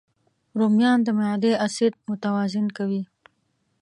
رومیان د معدې اسید متوازن کوي